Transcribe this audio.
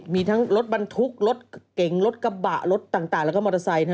มีทั้งรถบรรทุกรถเก่งรถกระบะรถต่างแล้วก็มอเตอร์ไซค์